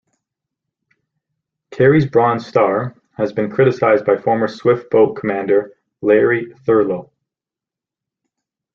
Kerry's Bronze Star has been criticized by former Swift Boat commander Larry Thurlow.